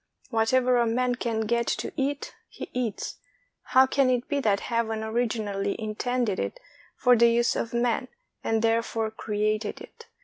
Whatever a man can get to eat, he eats; how can it be that Heaven originally in tended it for the use of man, and therefore created it?